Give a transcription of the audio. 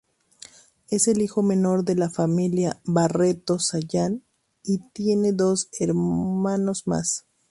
Es el hijo menor de la familia Barreto Sayán y tiene dos hermanos más.